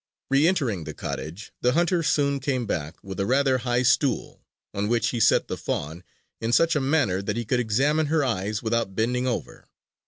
Reentering the cottage, the hunter soon came back with a rather high stool, on which he set the fawn in such a manner that he could examine her eyes without bending over.